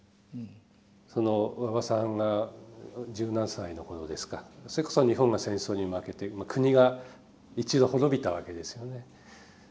その馬場さんが十何歳の頃ですかそれこそ日本が戦争に負けて国が一度滅びたわけですよね。